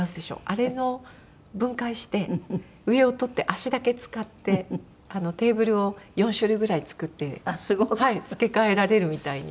あれの分解して上を取って脚だけ使ってテーブルを４種類ぐらい作って付け替えられるみたいにしたり。